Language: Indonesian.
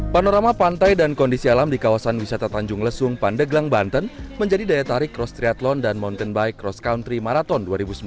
panorama pantai dan kondisi alam di kawasan wisata tanjung lesung pandeglang banten menjadi daya tarik cross triathlon dan mountain bike cross country marathon dua ribu sembilan belas